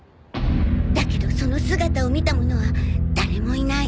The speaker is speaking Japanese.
だけどその姿を見た者は誰もいない。